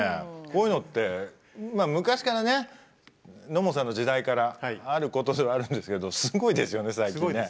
こういうのってまあ昔からね野茂さんの時代からあることではあるんですけどすごいですよね最近ね。